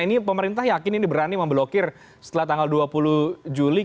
ini pemerintah yakin ini berani memblokir setelah tanggal dua puluh juli